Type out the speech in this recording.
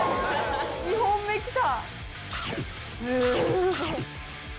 ２本目来た！